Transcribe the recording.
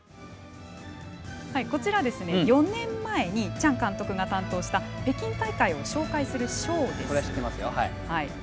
こちら、４年前チャン監督が担当した北京大会を紹介するショーです。